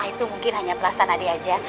itu mungkin hanya perasaan adi aja